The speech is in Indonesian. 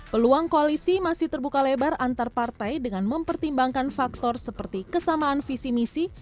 peluang koalisi masih terbuka lebar antar partai dengan mempertimbangkan faktor seperti kesamaan visi misi